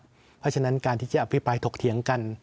เพราะฉะนั้นการที่จะอภิปรายถกเถียงกัน